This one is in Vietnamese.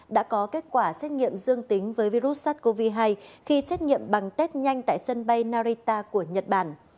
đã có kết quả xét nghiệm dương tính với virus sars cov hai khi xét nghiệm bằng test nhanh tại sân bay narita của nhật bản